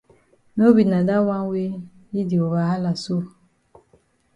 No be na dat wan wey yi di over hala so.